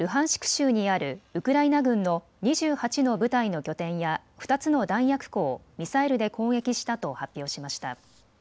州にあるウクライナ軍の２８の部隊の拠点や２つの弾薬庫をミサイルで攻撃したと発表しました。